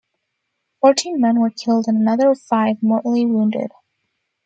Fourteen men were killed and another five mortally wounded.